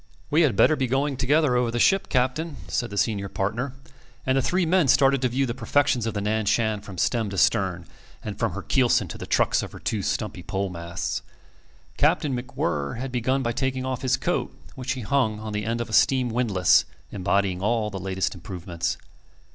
"We had better be going together over the ship, Captain," said the senior partner; and the three men started to view the perfections of the Nan Shan from stem to stern, and from her keelson to the trucks of her two stumpy pole masts. Captain MacWhirr had begun by taking off his coat, which he hung on the end of a steam windless embodying all the latest improvements.